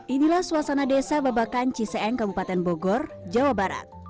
inilah suasana desa babakan ciseeng kabupaten bogor jawa barat